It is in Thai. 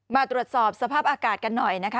มาตรวจสอบสภาพอากาศกันหน่อยนะคะ